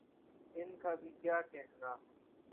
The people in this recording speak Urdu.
ان کا بھی کیا کہنا۔